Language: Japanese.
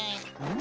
ん？